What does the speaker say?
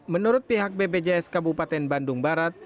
menurut pihak bpjs kabupaten bandung barat